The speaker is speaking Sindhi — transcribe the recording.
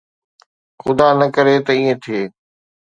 خدا نه ڪري ته ائين ٿئي.